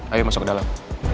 ayo masuk ke dalam